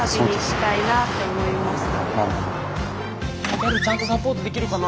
ギャルちゃんとサポートできるかな。